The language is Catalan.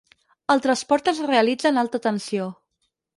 El transport es realitza en alta tensió.